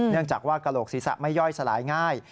เนื่องจากว่ากระโหลกศีรษะไม่ย่อยสลายง่าย